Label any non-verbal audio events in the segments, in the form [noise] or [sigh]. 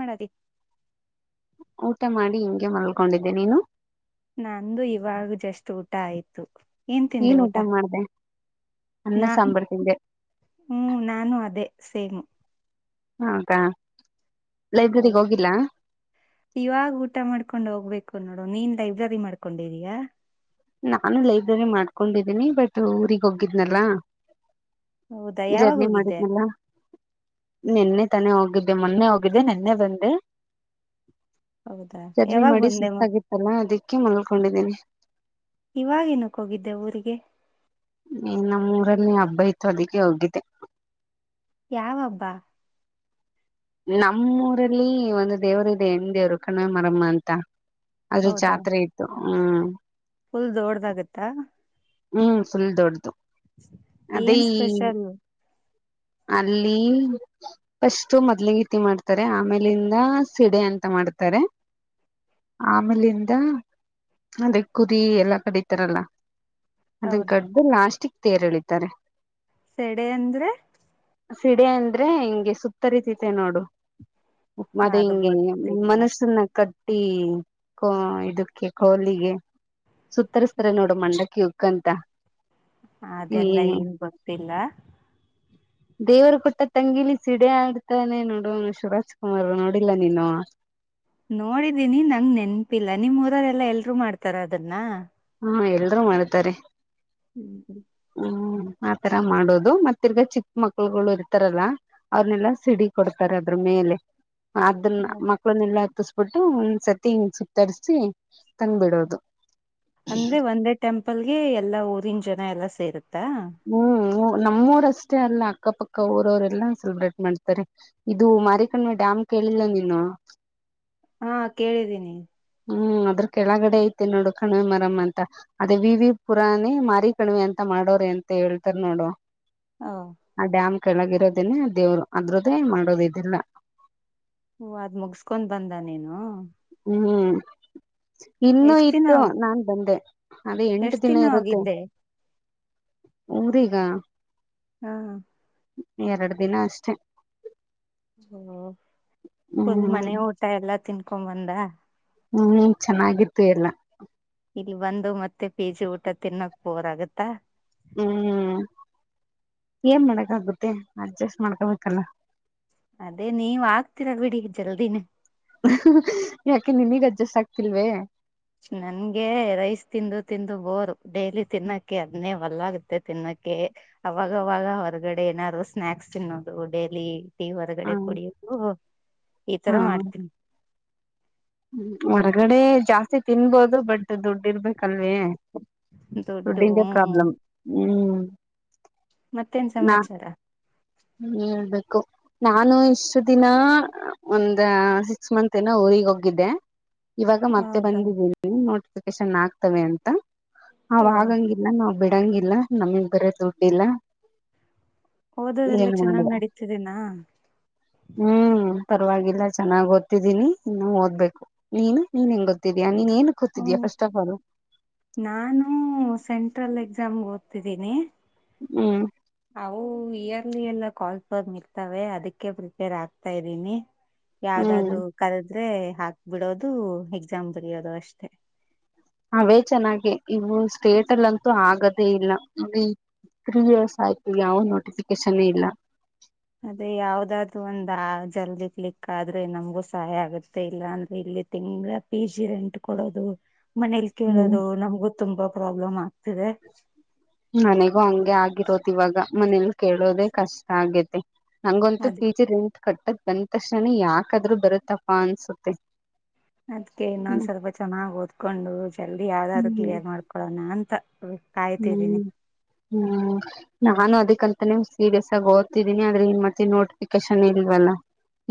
ಮಾಡದ ಊಟ ಮಾಡಿ ಹಿಂಗೆ ಮಲ್ಕೊಂಡಿದ್ದೆ ನೀನು ನಂದು ಇವಾಗ ಜಸ್ಟ್ ಊಟ ಆಯ್ತು ಏನ್ ತಿಂದೆ ಊಟ ಅನ್ನ ನ ಸಾಂಬಾರ್ ತಿಂದೆ ಹ್ಮ ನಾನು ಅದೇ ಸೇಮ್ ಹೌದಾ ಹೌದು ಲೈಬ್ರರಿಗ್ ಹೋಗಿಲ್ಲ ಇವಾಗ ಊಟ ಮಾಡ್ಕೊಂಡ್ ಹೋಗ್ಬೇಕು ನೋಡ ನೋಡ್ ನೀನ್ ಲೈಬ್ರರಿ ಮಾಡ್ಕೊಂಡಿದೀಯಾ ನಾನು ಲೈಬ್ರರಿ ಮಾಡ್ಕೊಂಡಿದ್ದೀನಿ ಬಟ್ ಊಗ್ ಹೋಗಿದ್ನಲ್ಲ ಹೌದಾ ಯಾವಾಗ ಜರ್ನಿ ಹೋಗಿದ್ದೆ ಮಾಡಿದ್ನಲ್ಲ ನಿೆನ್ನೆ ತಾನೆ ಹೋಗಿದ್ದೆ ಮೊನ್ನೆ ಹೋಗಿದ್ದೆ ನಿೆನ್ನೆ ಬಂದೆ ಹೌದಾ ಜರ್ನಿ ಯಾವಾಗ ಮಾಡಿ ಬಂದೆ ಮತ್ ಸುಸ್ತಾಗಿತ್ತಲ್ಲ ಅದಕ್ಕೆ ಮಲ್ಕೊಂಡಿದ್ದೀನಿ ಇವಾಗೇನಕ್ಕ ಹೋಗಿದ್ದೆ ಊರಿಗೆ ಬೈತ ಅದಕ್ಕೆ ಹೋಗಿದ್ದೆ ಯಾವ ಹಬ್ಬ ನಮ್ಮೂಊರಲ್ಲಿ ಒಂದು ದೇವ್ರ ಇದೆ ಹೆಣ ದೇವ್ರು ಕಣ ಮರಮ್ಮ ಅಂತ ಅದ್ರ ಹೌದಾ ಜಾತ್ರೆ ಇತ್ತು ಹ್ಮ್ ಫುಲ್ ದೊಡ್ದಆಗುತ್ತಾ ಹ್ಮ್ ಫುಲ್ ದೊಡ್ಡದುು ಏನ್ ಸ್ಪ್ರೆಷಲು ಅಲ್ಲಿ ಫಸ್ಟ್ು ಮೊದ್ಲಿಗೀತಿ ಮಾಡ್ತಾರೆ ಆಮೇಲಿಂದ ಸಿಡೆ ಅಂತ ಮಾಡ್ತಾರೆ ಆಮೇಲಿಂದ ಅದೇ ಕುರಿ ಎಲ್ಲಾ ಕಡಿತಾರಲ್ಲ ಅದನ್ ಹೌದಾ ಕಡ್ದ ಲಾಸ್ಟಿಕ್ ತೇರೆಳಿದ್ದಾರೆ ಸೆಡೆ ಅಂದ್ರೆ ಸಿಡಿ ಅಂದ್ರೆ ಹಿಂಗೆ ಸುತ್ತರಿತಿತೆ ನೋಡು ಮದೆ ಅದು ಹಿಂಗೆ ಗೊತ್ತಿಲ್ಲ ಮನುಷ್ಯನ್ನ ಕದ ಟೀಮ್ ಕೂ ಇದಕ್ಕೆ ಕೊಹ್ಲಿಗೆ ಸುತ್ತರಿಸ್ತರೆ ನೋಡು ಮಂಡೆ ಕ್ಯವುಕಂತ ಅದೆಲ್ಲ ಏನ್ ಗೊತ್ತಿಲ್ಲ ದೇವರು ಕೊಟ್ಟ ತಂಗಿಲಿ ಸಿಡೆ ಆಡ್ತಾನೆ ನೋಡುವ ಶಿವರಾಜ್ ಕುಮಾರ್ ನೋಡಿಲ್ಲ ನೀನು ನೋಡಿದೀನಿ ನಂಗ್ ನೆನ್ಪಿಲ್ಲ ನಿಮ್ ಊರರೆಲ್ಲಾ ಎಲ್ರು ಮಾಡ್ತಾರ ಅದನ್ನ ಹಾ ಎಲ್ರೂ ಮಾಡ್ತಾರೆ ಹ್ಮ್ ಹ್ಮ್ ಹ್ಮ್ ಆತರ ಮಾಡೋದು ಮತ್ತಿರ್ಗ ಚಿಕ್ಕ ಮಕ್ಳುಗಳು ಇರ್ತಾರಲ್ಲ ಅವ್ರನೆೆಲ್ಲಾ ಸಿಡಿ ಕೊಡ್ತಾರ ಅದ್ರ ಮೇಲೆ ಅದನ್ನ ಮಕ್ಳನ್ನ ಎಲ್ಲ ಹತ್ತಸ್ ಬಿಟ್ಟು ಒಂದ್ ಸತಿ ಸುತ್ತರ್ರಿಸಿ ತಂದ್ ಬಿಡೋದು ಅಂದ್ರೆ ಒಂದೇ ಟೆಂಪ ಪಲ್ಗೆ ಎಲ್ಲಾ ಊರಿನ ಜನ ಎಲ್ಲಾ ಸೇರು ಹ್ಮ್ ನಮ್ಮೂರಷ್ಟೇ ಅಲ್ಲ ಅಕ್ಕಪಕ್ಕ ಊರವರೆಲ್ಲಾ ಸೆಲೆಬ್ರೇಟ್ ಮಾಡ್ತಾರೆ ಇದು ಮಾರಕಣ್ಮೆ ಡ್ಯಾಮ್ ಕೇಳಿಲ್ಲ ನೀನು ಹಾ ಕೇಳಿದ್ದೀನಿ ಹ್ಮ್ ಅದ್ರ ಕೆಳಗಡೆ ಐತೆ ನೋಡು ಕಣಿವೆ ಮರಮ ಅಂತ ಅದೇ ವಿ ವಿ ಪುರಾನೆ ಮಾರಿ ಕಣಿವೆ ಅಂತ ಮಾಡೋರೆ ಅಂತ ಹೇಳ್ತಾರ ನೋಡು ಹಾ ಕೆಳಗಿರೋದನೆ ದೇವ್ರು ಅದರದ್ದೇ ಮಾಡೋದು ಇದೆಲ್ಲ ಹೂ ಅದ್ ಮುಗಸ್ಕೊಂಡ್ ಬಂದ ನೀನು ಹ್ಮ್ [inaudible] ಇನ್ನುೂ ಎಷ್ಟ್ ದಿನ ಇತ್ತು ನಾನ್ ಬಂದೆ ಅದೇ ಎಂಟು ಎಷ್ಟ್ ದಿನ ಇರುತ್ತೆ. ಹೋಗಿದ್ದೆ ಊರಿಗ ಹ್ಮ್ ಎರಡ್ ದಿನ ಅಷ್ಟೆ. ಹ್ಮ್ ಉ ಫುಲ್ ಹ್ಮ್ ಮನೆ ಊಟ ಎಲ್ಲ ತಿನ್ಕೊಂಬಂದೆ. ಇನ್ನೇನ್ ಚೆನ್ನಾಗಿತ್ತು ಎಲ್ಲ. ಇಲ್ಲಿ ಬಂದು ಮತ್ತೆ ಪಿಜಿ ಊಟ ತಿನ್ನಕ್ ಬೋರಾಗುತ್ತ? ಹ್ಮ್ ಏನ್ ಮಾಡಕ್ ಆಗುತ್ತೆ ಅಡ್ಜಸ್ಟ್ ಮಾಡ್ಕೊಬೇಕಲ್ಲ. ಅದೇ ನೀವ್ ಆಗ್ತೀರ ಬಿಡಿ ಜಲ್ದಿನೇ ಅಹ್ ಹ್ ಯಾಕೆ ನಿಮಿಗ್ ಅಡ್ಜಸ್ಟ್ ಆಗ್ತಿಲ್ವೆ. ನನ್ಗೆ ರೈಸ್ ತಿಂದು ತಿಂದು ಬೋರು ಡೈಲಿ ತಿನ್ನೋಕ್ಕೆ ಅದನ್ನೇ ಹೊಲ್ಲ ಆಗುತ್ತೆ ತಿನ್ನಕ್ಕೆ ಅವಾಗವಾಗ ಹೊರಗಡೆ ಏನಾರು ಸ್ನಾಕ್ಸ್ ತಿನ್ನೋದು ಡೈಲಿ. ತಿ ಹ ಹೊರಗಡೆ ಕುಡಿಯಕ್ಕು ಹೋಗ್ ಈ ತರ ಮಾಡ್ತೀನಿ. ಹ್ಮ್ ಹೊರಗಡೆ ಜಾಸ್ತಿ ತಿನ್ಬೋದು ಬಟ್ ದುಡ್ಡಿರ್ಬೇಕ್ ಕಲ್ವೇ ದೊಡ್ಡು ದುಡ್ಡಿಂದೆ ಹ್ಮ್ ಪ್ರಾಬ್ಲಮ್ ಹ್ಮ್. [inaudible] ಮತ್ತೇನ್ ಸಮಾಚಾರ ಹ್ಮ್ಬೇಕು ನಾನು ಇಷ್ಟು ದಿನ ಒಂದ ಸಿಕ್ಸ್ ಮಂತ್ ಏನ ಊಗ್ ಹೋಗಿದ್ದೆ ಇವಾಗ ಮತ್ತೆ ಹೌದಾ ಬಂದಿದ್ದೀರಿ ನೋ ರೇಶನ್ ಆಗ್ತವೆ ಅಂತ ಹ ಓ ಆಗಂಗಿಲ್ಲ ನಾ ಬಿಡಂಗಿಲ್ಲ ನಮಗ್ ಬರ ದುಡ್ಡಿಲ್ಲ ಓದೋದೆಲ್ಲ ಏನ್ ಚೆನ್ನಾಗ್ ಮಾಡುದ ನಡೀತಿದೆನಾ ಹ್ಮ್ ಪರವಾಗಿಲ್ಲ ಚೆನ್ನಾಗ್ ಗೊತ್ತತಿದ್ದೀನಿ ಇನ್ನು ಓದ್ಬೇಕು ನೀನು ನೀನ್ ಹೆಂಗ್ ಗೊತ್ತಿದ್ಯಾ ನೀನ್ ಏನ್ ಗೊತ್ತಿದ್ಯಾ ಹ್ಮ ಫಸ್ಟ್ ಆಫ್ ಆಲ್ ನಾನು ಸೆಂಟ್ರಲ್ ಎಕ್ಸಾಮ್ಗೆ ತಿದ್ದೀನಿ ಹ್ಮ್ ಅವು ಇಯರ್ಲಿ ಎಲ್ಲ ಕಾಲ್ ಬ್ ಇರ್ತವೆ ಅದಕ್ಕೆ ಪ್ರಿಪೇರ್ ಆಗ್ತಾ ಇದ್ದೀನಿ ಹ್ಮ್ ಯಾವುದಾದರೂ ಕಲ್ ಆದ್ರೆ ಹಾಕ್ ಬಿಡೋದು ಎಕ್ಸಾಮ್ ಬಿರಿಯೋದು ಅಷ್ಟೆ ಅವೇ ಚೆನ್ನಾಗಿೆ ಇವು ಸ್ಟೇಟ್ ಅಲ್ಲಂತೂ ಆಗದೇ ಇಲ್ಲ ತ್ರ್ರೀ ಇಯರ್ಸ್ ಆಯ್ತು ಯಾವ ನೋಟಿಫಿಕೇಶನ್ೇ ಇಲ್ಲ ಅದೇ ಯಾವ್ದಾದೂ ಒಂದ ಜಲ್ದಿ ಕ್ಲಿಕ್ ಆದ್ರೆ ನಮ್ಗೂ ಸಹಾಯ ಆಗುತ್ತೆ ಇಲ್ಲ ಅಂದ್ರೆ ಇಲ್ಲಿ ತಿಂಗಗಳ ಪಿ ಜಿ ರೆಂಟ್ ಕೊಡೋದು ಮನೇಲಿ ಹ್ಮ್ ಕೇಳೋದು ನಮ್ಗು ತುಂಬಾ ಪ್ರೊಬ್ಬಲಮ್ ನನಗೂ ಹಂಗೆ ಆಗಿರೋದು ಇವಾಗ ಮನೇಲಿ ಕೇಳೋದೇ ಕಷ್ಟ ಆಗ್ಯತೆ ನಂಗೊಂತು ಅದ್ ಪೀಚಿರ್ ಎಂಟು ಕಟ್ಟದ್ ಬಂದ ತಕ್ಷಣ ಯಾಕಾದ್ರೂ ಬರುತ್ತಪ್ಪ ಅನ್ಸುತ್ತೆ ಅದ್ಕ ಇನ್ನೊಂದ್ ಹ್ಮ್ ಸ್ವಲ್ಪ ಚೆನ್ನಾಗ್ ಓದ್ಕೊಂಡು ಜಲ್ದಿ ಯಾವ್ದಾದ್ರು ಹ್ಮ್ ಕ್ಲಿಯರ್ ಮಾಡ್ಕೊಳೋಣ ಅಂತ ಕಾಯ್ತಿದ್ದೀನಿ ಹ್ಮ್ ಹ್ಮ್ ನಾನು ಅದಕ್ಕೆ ಯಂತ ಸೀರಿಯಸ್ ಆಗಿ ಓದ್ತಿದ್ದೀನಿ ಆದ್ರೆ ಮತ್ತೆ ನೋಟಿಫಿಕೇಶನ್ ಇಲ್ವಲ್ಲ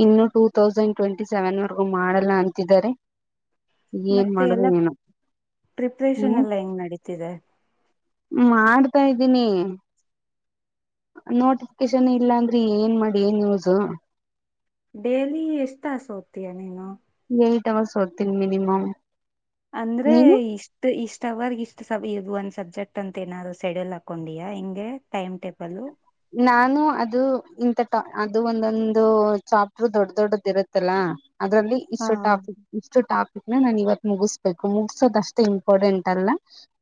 ಇನ್ನು ಟೂ ತೌಸಂಡ್ ಟ್ವೆಂಟಿ ಸೆವೆನ್ ವರೆಗೂ ಮಾಡಲ್ಲ ಅಂತಿದ್ದಾರೆ ಏನ್ ಮತ್ತೆ ಮಾಡುದು ಎಲ್ಲ ಏನೋ ಪ್ರಿಪ್ರೇಷನ್ ಹ್ಮ್ ಎಲ್ಲ ಹೆಂಗ್ ನಡೀತಿದೆ ಮಾಡ್ತಾ ಇದ್ದೀನಿ ನೋಟಿಫಿಕೇಶನ್ ಇಲ್ಲ ಅಂದ್ರೆ ಏನ್ ಮಾಡಿ ನ್ಯೂಸ್ ಡೇಲಿ ಎಷ್ಟ್ ತಾಸು ಹೋಗ್ತಯಾ ನೀನು ಎಏ್ಟಟ್ ಅವರ್ಸ್ ಹೊತೀನ ಮಿನಿಮಮ ಅಂದ್ರೆ ಇಷ್ಟ ಇಷ್ಟ ಅವರ್ಗ ಇಷ್ಟ ಸ ಇದು ಅಂತ ಸಬ್ಜೆಕ್ಟ್ ಅಂತ ಏನಾದ್ರುೆ್ಯೂಲ್ ಹಾಕೊಂಡಿಯಾಿಂ ಟೈಮ್ ಟೇಬಲ್ ನಾನು ಅದು ಮ ಅದು ಒಂದೊಂದು ಚಾಪರು ದೊಡ್ಡ ದೊಡ್ಡದ ಇರುತ್ತಲ್ಲ ಅದರಲ್ಲಿ ಹಾ ಇಷ್ಟು ಟಾಪಿಕ್ ಇಷ್ಟು ಟಾಪಿಕ್ ನಾನ್ ಇವತ್ ಮುಗಿಸ್ಬೇಕು ಮುಗಸೋದ ಅಷ್ಟೇ ಇಂಪಾರ್ಟೆಂಟ್ ಅಲ್ಲ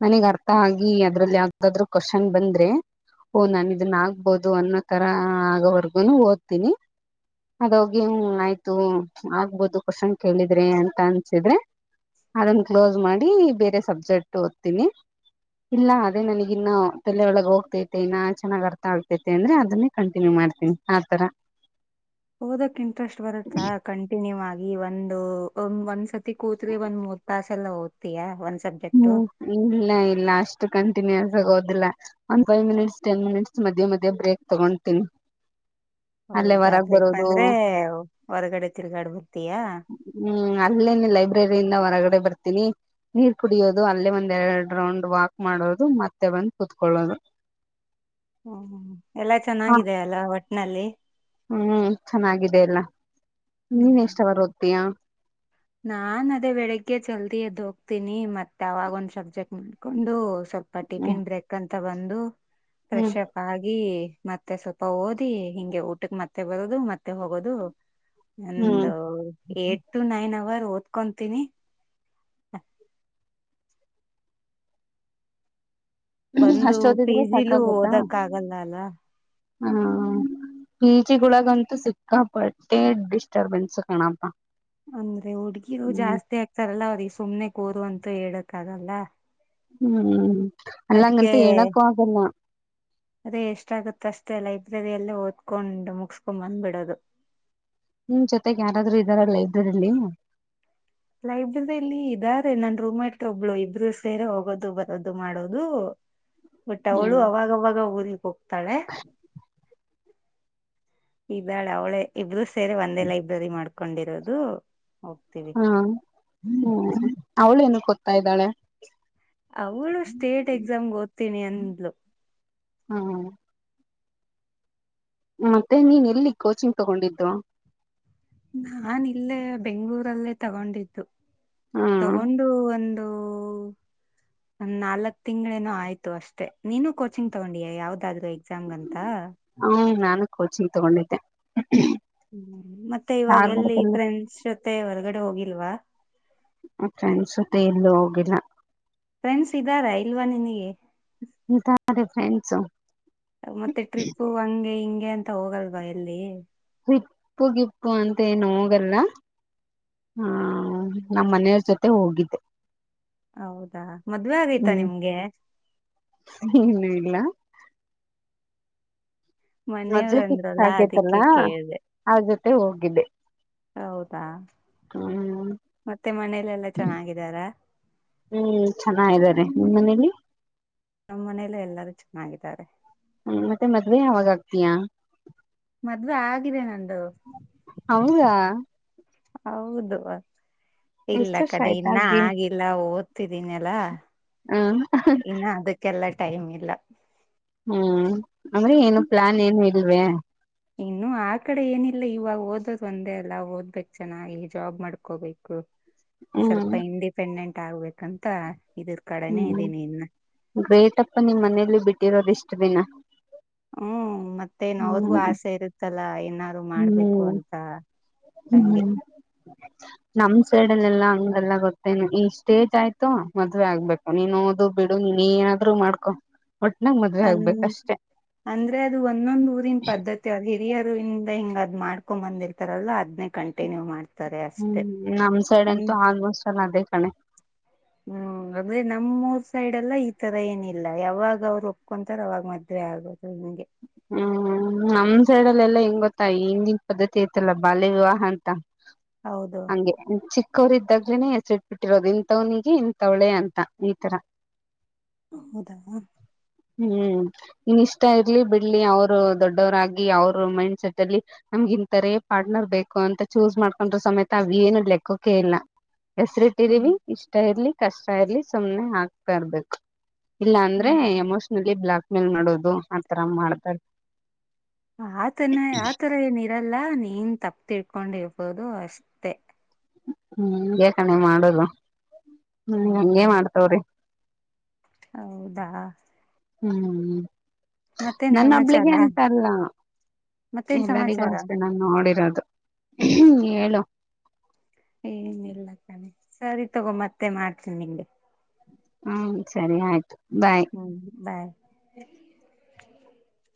ನನಗ್ ಅರ್ಥ ಆಗಿ ಅದ್ರಲ್ಲಿ ಯಾವ್ದಾದ್ರು ಕ್ವಶನ್ ಬಂದ್ರೆ ಓಹ ನಾನು ಇದನ್ನ ಆಗ್ಬೋದು ಅನ್ನೋ ತರ ಆಗೋವರ್ಗುನು ಓದ್ತೀನಿ ಅದೋಗ ಆಯ್ತು ಆಗ್ಬೋದು ಕ್ವಶನ್ ಕೇಳಿದ್ರೆ ಅಂತ ಅನ್ಸಿದ್ರೆ ಅದನ್ನ ಕ್ಲೋಸ್ ಮಾಡಿ ಬೇರೆ ಸಬ್ಜೆಕ್ಟ್ ಓದ್ತೀನಿ ಇಲ್ಲ ಅದೇ ನನಗಿನ್ನ ತಲೇಯೊಳಗೆ ಹೋಗ್ತ ಇನ್ನಾ ಚೆನ್ನಾಗ್ ಅರ್ಥ ಆಗತೈತೆ ಅಂದ್ರೆ ಅದನ್ನೇ ಕಂಟಿನ್ಯೂ ಮಾಡ್ತೀನಿ ಆತರ. ಓದಕ್ ಇಂಟ್ರೆಸ್ಟ್ ಬರುತ್ತಾ ಕಂಟಿನ್ಯೂ ಆಗಿ ಒಂದ್ ಅ ಒಂದ್ ಒಂದ್ಸತಿ ಕೂತ್ರೆ ಒಂದ್ ಮೂರ್ ತಾಸ್ ಎಲ್ಲಾ ಓದತ್ತೀನಿ ಒಂದ ಹ್ಮ್ ಇಲ್ಲ ಇಲ್ಲ ಅಷ್ಟು ಕಾಣ ದಿನೇ ಇರೋದಿಲ್ಲ ಒಂದ್ ಫೈವ್ ಮಿನಿಟ್ಸ್ ಟೆನ್ ಮಿನಿಟ್ಸ್ ಮಧ್ಯೆ ಮಧ್ಯ ಬ್ರೇಕ್ ತಗೊತೀನಿ. ಅಲ್ಲೇ ಹೌದಾ ಹೊರಗ್ ಬರೋದು ಬೇಕಂದ್ರೆ ಹೊರಗಡೆ ತಿರ್ಗಾಡ್ ಬರ್ತಿಯಾ. ಒಳಗಡೆ ಬರ್ತೀನಿ ನೀರ್ ಕುಡಿಯೋದು ಅಲ್ಲೇ ಒಂದ್ ಎರಡ್ ರೌಂಡ್ ವಾಕ್ ಮಾಡೋದು ಮತ್ತೆ ಬಂದು ಕೂತ್ಕೊಳ್ಳೋದು. ಎಲ್ಲಾ ಚೆನ್ನಾಗಿದೆೆಯ ಅಲ್ಲಾ ವಟ್ಟ್. ವಟ್ಟ್ನಲ್ಲಿ ಹ್ಮ್ ಚೆನ್ನಾಗಿದೆ ಎಲ್ಲ ಹ್ಮ್ ನೀನ್ ಎಷ್ಟ ಅವರ್ ಓದ್ತೀಯಾ. ನಾನ್ ಅದೇ ಬೆಳಿಗ್ಗೆ ಜಲ್ದಿ ಎದ್ದ ಹೋಗ್ತೀನಿ ಮತ್ತೆ ಅವಾಗ ಒಂದ್ ಸಬ್ಜೆಕ್ಟ್ ನಡ್ಕೊಂಡು ಸ್ವಲ್ಪ ಹ್ಮ್ [unintelligible] ತಗೊಂಡು ಹ್ಮ್ ಫ್ರೆಷಪ್ ಆಗಿ ಮತ್ತೆ ಸ್ವಲ್ಪ ಓದಿ ಹಿಂಗೆ ಊಟಕ್ಕೆ ಮತ್ತೆ ಬರೋದು ಮತ್ತೆ ಹೋಗೋದು. ಹ್ಮ್ ಒಂದು eight to nine hour hour ಓದ್ಕೊಂತೀನಿ. ಬಂದು ಅಷ್ಟ ಓದಿದ್ರೆ ಪೀಜಿಲು ಓದಕ್ ಆಗಲ್ಲ ಅಲ್ಲ. ಹ್ಮ ಸಿಟಿಗಳೊಗಂತೂ ಸಿಕ್ಕಾಪಟ್ಟೆ ಡಿಸ್ಟರ್ಬೆನ್ಸ್ ಕಣಪ್ಪಾ. ಅಂದ್ರೆ ಹುಡ್ಗಿರು ಜಾಸ್ತಿ ಆಗ್ತಾರಲ್ಲ ಅವ್ರಿಗೆ ಸುಮ್ನೆ ಕೂರು ಅಂತ ಹೇಳಾಕ್ ಆಗಲ್ಲ. ಹ್ಮ್ ಅದಕ್ಕೆ ಅಲ್ಲಂಗಂತ ಹೇಳಕ್ಕೂ ಆಗಲ್ಲ ಅದೇ ಎಷ್ಟಾಗುತ್ತ ಅಷ್ಟೇ ಅಲ್ಲ ಲೈಬ್ರರಿ ಅಲ್ಲೇ ಓದ್ಕೊಂಡು ಮುಗಸ್ಕೊಂಡ್ ಬಂದ್ಬಿಡದು. ಹ್ಮ್ ಜೊತೆಗೆ ಯಾರಾದ್ರೂ ಇದ್ದಾರ ಲೈಬ್ರರಿಲ್ಲಿ. ಲೈಬ್ರರಿಯಲ್ಲಿ ಇದಾರೆ ನನ್ ರೂಮೇಟ್ರ ಒಬ್ಳು ಇಬ್ರು ಸೇರೆ ಹೋಗೋದು ಬರೋದು ಮಾಡೋದು. ಬಟ್ ಅವಳು ಅವಾಗ ಅವಾಗ ಬೋರಿಂಗ್. ತಾಳೆ ಇದಳೆ ಅವಳೆ ಇಬ್ರು ಸ್ ಸೇರಿ ಒಂದೇ ಲೈಬ್ರರಿ ಮಾಡು ಕೊಂಡಿರೋದು ಓಕೆ. ಹಾ ಹ್ಮ ಅವಳು ಏನಿಕ್ ಕೊ ತಾ ಇದ್ದಾಳೆ. ಅವಳು ಸ್ಟೇಟ್ ಎಕ್ಸಾಮ್ಗ್ ಓದ್ತೀನಿ ಅಂದ್ಲು. ಹ್ಮ್ ಮತ್ತೆ ನೀನ್ ಎಲ್ಲಿ ಕೋಚಿಂಗ್ ತಗೊಂಡಿದ್ದು? ಹ್ಮ್ ನಾನ್ ಇಲ್ಲೇ ಬೆಂಗ್ಳೂರಲ್ಲೇ ತಗೊಂಡಿದ್ದು. ಹ್ಮ್ ತಗೊಂಡು ಒಂದ್ ಒ ನಾಲ್ಕ್ ತಿಂಗಳೇನೋ ಆಯ್ತು ಅಷ್ಟೇ ನೀನುೂ ಕೋಚಿಂಗ್ ತಗೊಂಡಿಯ ಯಾವ್ದಾದ್ರು ಎಕ್ಸಾಮ್ ಗಂತ ನು ಕೋಚಿಂಗ್ ತಗೊಂಡಿದ್ದೆ ಹ್ಮ ಮತ್ತೆ ಇವಾಗ ಎಲ್ಲಿ ಧಾರವಾಡದಲ್ಲಿ ಫ್ರೆಂಡ್ಸ್ ಜೊತೆ ಹೊರ್ಗ ಡೆ ಹೋಗಿಲ್ವಾ? ನ ಫ್ರೆಂಡ್ಸ್ ಜೊತೆ ಇಲ್ಲೂ ಹೋಗಿಲ್ಲ. ಫ್ರೆಂಡ್ಸ್ ಇದ್ದಾರ ಇಲ್ವಾ ನಿನಿಗೆ? ಇದಾರೆ ಫ್ರೆಂಡ್ಸ್ ಮತ್ತೆ ಟ್ರಿಪ್ಪು ಹಂಗೆ ಹಿಂಗ್ ಗೆ ಅಂತ ಹೋಗಲ್ವಾ ಎಲ್ಲಿ ಟ್ರೀಪ್ಪು ಗಿಪ್ಪು ಅಂತ ಏನ್ ಹೋಗಲ್ಲ ಹ ನಮ್ ಮನೆಯವ್ರ್ ಜೊತೆ ಹೋಗಿದ್ದೆ. ಹೌದಾ ಮದ್ವೆ ಆಗೈತಾ ಹ್ಮ್ ನಿಮ್ಗೆ? ಏನು ಇಲ್ಲ ಮದ್ವೆ ಮನೆಯವ್ರ ಫಿಕ್ಸ್ ಅಂದ್ರಲ್ಲ ಆಗೈತಲ್ಲ ಅದಕ್ಕೆ ಕೇಳ್ದೆ ಆಗು ಟು ಹೋಗಿದ್ದೆ. ಹೌದಾ ಹ್ಮ್ ಮತ್ತೆ ಮನೇಲೆಲ್ಲಾ ಚೆನ್ನಾಗಿದ್ದಾರ? ಹ್ಮ್ ಚೆನ್ನಾಗಿದ್ದಾರೆ ನಿಮ್ ಮನೇಲಿ ನಮ್ಮ ಮನೇಲು ಎಲ್ಲರೂ ಚೆನ್ನಾಗಿದ್ದಾರೆ. ಹ್ಮ ಮತ್ತೆ ಮದ್ವೆ ಯಾವಾಗಾಗ್ತಿಯಾ? ಮದ್ವೇ ಆಗಿದೆ ನಂದು ಹೌದಾ ಹೌದು ಇಲ್ಲ ಎಷ್ಟ ವರ್ಷ ಕಡೆ ಆಯ್ತ ಇನ್ನ ಆಗಿ ಆಗಿಲ್ಲ ಓದ್ತಿದೀನಿ ಅಲ್ಲ ಹ್ಮ್ ಇನ್ನ ಅದಕ್ಕೆಲ್ಲ ಟೈಮ್ ಇಲ್ಲ. ಅಲ್ವೇ ಇನ್ನು ಆ ಕಡೆ ಏನಿಲ್ಲ ಇವಾಗ ಓದದ್ ಒಂದೇ ಅಲ್ಲ ಓದ್ಬೇಕ್ ಚೆನ್ನಾಗಿ ಜಾಬ್ ಮಾಡ್ಕೋಬೇಕು. ಸ್ವಲ್ಪ ಹ್ಮ್ ಇಂಡಿಪೆಂಡೆಂಟ್ ಟಾಗ್ಬೇಕಂತ ಹ್ಮ್ ಗ್ರೇಟಪ್ಪ ನಿಮ್ ಮನೇಲಿ ಬಿಟ್ಟಿರೋದಿಷ್ಟ್ ದಿನ. ಹ್ಮ ಮತ್ತೇನ್ ಅವ್ರಿಗೂ ಹ್ಮ್ ಆಸೆ ಇರುತ್ತಲ್ಲ ಏನಾರು ಮಾಡ್ಬೇಕು ಹ್ಮ್ ಅಂತ ಹ್ಮ್ ಹಂಗೆ. ಗೇಲ್ಲ ಗೊತ್ತೇನು ಈ ಸ್ಟೇಜ್ ಆಯ್ತು ಮದ್ವೆ ಆಗ್ಬೇ ನೀನ್ ಓದು ಬಿಡು ನೀನ್ ಏನಾದ್ರು ಮಾಡ್ಕೊ ಒಟ್ನಾಗ ಮದ್ವೆ ಅನ್ ಆಗ್ಬೇಕಷ್ಟೆ ಅಂದ್ರೆ ಅದು ಒಂದೊಂದ್ ಊರಿನ್ ಪದ್ಧತಿ ಅ ಹಿರಿಯರು ಇನ್ ಅದೇ ಹಿಂಗ್ ಅದ್ ಮಾಡ್ಕೋ ಬಂದಿರ್ತಾರಲ್ಲಾ ಅದನೇ ಕಂಟಿನ್ಯು ಮಾಡ್ ಹ್ಮ್ ನಮ್ ಸೈಡ್ ಅಂತೂ ಆಲ್ಮೋಸ್ಟ್ ಅಲ್ ಅದೇ ಕಣೆ ಹ್ಮ್ ಅಂದ್ರೆ ನಮ್ಮೂರ್ ಸೈಡ್ ಎಲ್ಲ ಈ ತರ ಏನಿಲ್ಲ ಯಾವಾಗ ಅವ್ರು ಒಪ್ಕೊಂತಾರ್ ಅವಾಗ ಮದ್ವೆ ಆಗೋದು ಹಿಂಗೆ ಹ್ಮ್ ನಮ್ ಸೈಡಲೆಲ್ಲ ಹೆಂಗ್ ಗೊತ್ತಾ ಈ ಹಂದಿನ್ ಪದ್ಧತಿ ಐತಲ್ಲ ಬಾಲ್ಯ ವಿವಾಹ ಅಂತ ಹೌದು ಹಂಗೆ ಚಿಕ್ ಕ್ಕವ್ರ ಇದ್ದಾಗ್ಲೇನೇ ಹೆಸ್ರಿಟ್ಬಿಟ್ಟಿರೋದು ಇಂಥವ್ನಿಗೆ ಇಂಥವ್ಳೆ ಅಂತ ಈ ತರ. ಹೌದಾ ಹ್ಮ್ ನಿನ್ ಇಷ್ಟ ಇರ್ಲಿ ಬಿ ಇಲ್ಲಿ ಅವ್ರು ದೊಡ್ಡವರಾಗಿ ಅವರು ಮೈಂಡ್ ಸೆಟ್ ಅಲ್ಲಿ ನಮ್ಗ್ ಇಂತರೆ ಪಾರ್ಟ್ನರ್ ಬೇಕು ಅಂತ ಚೂಸ್ ಮಾಡ್ಕೊಂಡ್ರ ಸಮೇತ ಅವೇನು ಲೆಕ್ಕೋಕೆ ಇಲ್ಲ. ಹ್ಮ ಹೆಸರಿಟ್ಟಿದೀವಿ ಇಷ್ಟ ಇರ್ಲಿ ಕಷ್ಟ ಇರ್ಲಿ ಸುಮ್ನೆ ಹಾಕ್ತ ಇರ್ಬೇಕು. ಇಲ್ಲ ಅಂದ್ರೆ ಹ್ಮ್ ಎಮೋಷನಲಿ ಬ್ಲಾಕ್ ಮೇಲ್ ಮಾಡೋದು ಆತರ ಮಾಡ್ ತರ್ ಆತನೆ ಆತರ ಏನ್ ಇರಲ್ಲ ನೀನ್ ತಪ್ ತಿಳ್ಕೊಂಡಿರ್ಬೋದು ಅಷ್ಟೇ. ಹ್ಮ್ ಬೇಕಣೆ ಮಾಡೊದು. ಹ್ಮ್ ಹಂಗೆ ಮಾಡ್ತವ್ರೆ. ಹೌದಾ ಹ್ಮ್ ಮ್ ಮತ್ತೇನ್ ಸಮಾಚಾರ ನನ್ನೊಬ್ಳಿಗೆ ಅಂತಲ್ಲ ಮತ್ತೇನ್ ಎಲ್ಲರಿಗೂ ಸಮಾಚಾರ ಅಷ್ಟೆ ನಾನ್ ನೋಡಿರೋದು ಹ್ ಹ್ ಹೇಳು ಏನಿಲ್ಲ ಕಣೆ ಸರಿ ತಗೊ ಮತ್ತೆ ಮಾಡ್ತೀನ್ ನಿಂಗೆ. ಹ್ಮ ಸರಿ ಆಯ್ತು. ಬಾಯ್ ಹ್ಮ್ ಬಾಯ್ [unintelligible]